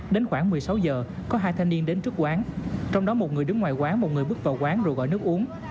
đến khoảng một mươi sáu giờ có hai thanh niên đến trước quán trong đó một người đứng ngoài quán một người bước vào quán rồi gọi nước uống